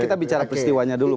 kita bicara peristiwanya dulu